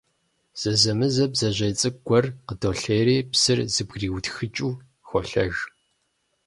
Зэзэмызэ бдзэжьей цӀыкӀу гуэр къыдолъейри, псыр зэбгриутхыкӀыу, холъэж.